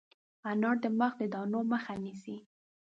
انار د مخ د دانو مخه نیسي.